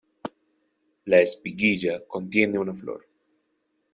La espiguilla contiene una flor.